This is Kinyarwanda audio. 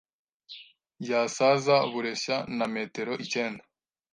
yasaza bureshya na Metero icyenda